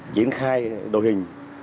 triển khai đội hình